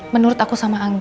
menurut aku sama angga